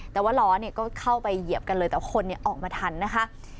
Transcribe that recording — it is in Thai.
แต่ว่าล้อก็เข้าไปเหยียบกันเลยแต่คนออกมาทันนะคะ